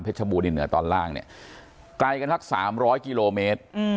ชบูรณีเหนือตอนล่างเนี่ยไกลกันสัก๓๐๐กิโลเมตร